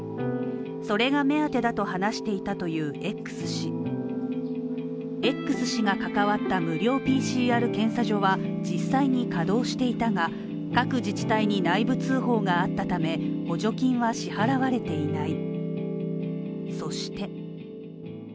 それが目当てだと話していたというＸ氏Ｘ氏が関わった無料ＰＣＲ検査場は実際に稼働していたが、各自治体に内部通報があったため、補助金は支払われていない。